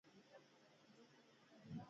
ایا زه باید په غرونو کې اوسم؟